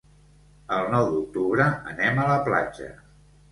El nou d'octubre anem a la platja.